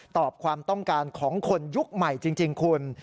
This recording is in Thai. ตอบความต้องการของคนยุคใหม่จริงคุณ